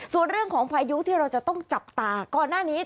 ส่วนเรื่องของพายุที่เราจะต้องจับตาก่อนหน้านี้